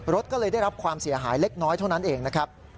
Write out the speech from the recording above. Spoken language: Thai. รถก็เลยได้รับความเสียหายเล็กน้อยเท่านั้นเองนะครับ